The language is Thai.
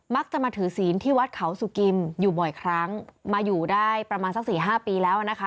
มักจะมาถือศีลที่วัดเขาสุกิมอยู่บ่อยครั้งมาอยู่ได้ประมาณสักสี่ห้าปีแล้วนะคะ